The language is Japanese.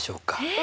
え。